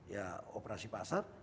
ya operasi pasar